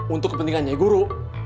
untuk kepentingannya guru